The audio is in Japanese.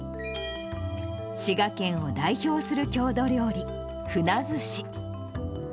滋賀県を代表する郷土料理、鮒ずし。